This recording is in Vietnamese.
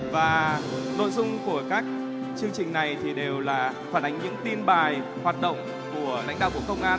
và nội dung của các chương trình này thì đều là phản ánh những tin bài hoạt động của lãnh đạo bộ công an